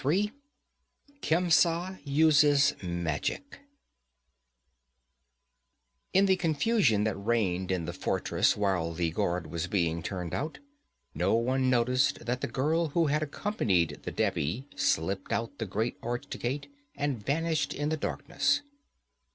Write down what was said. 3 Khemsa Uses Magic In the confusion that reigned in the fortress while the guard was being turned out, no one noticed that the girl who had accompanied the Devi slipped out the great arched gate and vanished in the darkness.